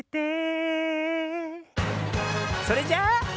それじゃあ。